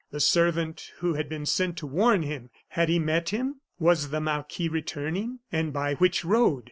The servant who had been sent to warn him had he met him? Was the marquis returning? And by which road?